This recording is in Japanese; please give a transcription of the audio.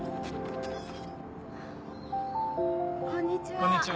こんにちは。